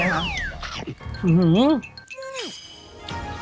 อื้อหือ